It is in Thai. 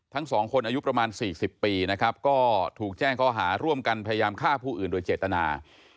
ทั้งสองคนอายุประมาณ๔๐ปีนะครับก็ถูกแจ้งข้อหาร่วมกันพยายามฆ่าผู้อื่นโดยเจตนา